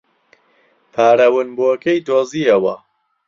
پارە ونبووەکەی دۆزییەوە.